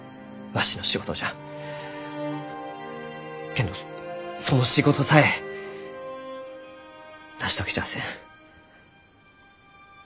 けんどその仕事さえ成し遂げちゃあせん。